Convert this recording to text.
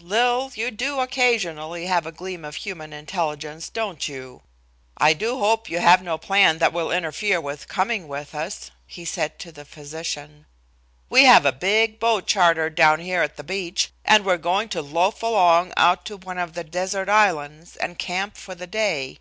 "Lil, you do occasionally have a gleam of human intelligence, don't you? "I do hope that you have no plan that will interfere with coming with us," he said to the physician. "We have a big boat chartered down here at the beach, and we're going to loaf along out to one of the 'desert islands' and camp for the day."